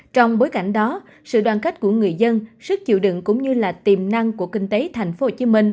trong bối cảnh đó sự đoàn cách của người dân sức chịu đựng cũng như là tiềm năng của kinh tế thành phố hồ chí minh